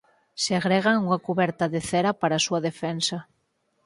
Segregan unha cuberta de cera para a súa defensa.